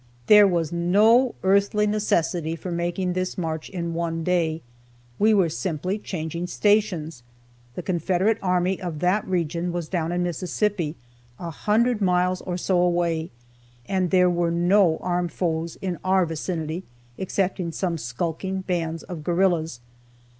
There was no earthly necessity for making this march in one day. We were simply "changing stations;" the Confederate army of that region was down in Mississippi, a hundred miles or so away, and there were no armed foes in our vicinity excepting some skulking bands of guerrillas.